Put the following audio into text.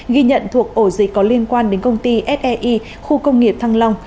ghi nhận thuộc ổ dịch có liên quan đến công ty sei khu công nghiệp thăng long